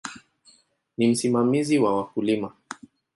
Ni msimamizi wa wakulima.